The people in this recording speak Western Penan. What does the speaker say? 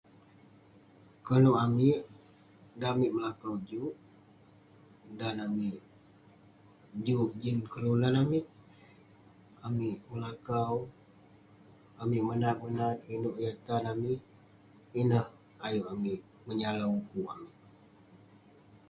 Koluk amik dan amik melakau juk, dan amik juk jin kelunan amik ; amik melakau, amik menat menat inouk yah tan amik. Ineh ayuk amik menyalau ukuk amik.